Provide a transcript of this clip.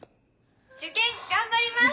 受験頑張ります！